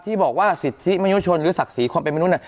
ที่บอกว่าสิทธิมนุยชนหรือศักดิ์ศรีความเป็นมนุษย์